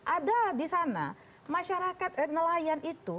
ada di sana masyarakat nelayan itu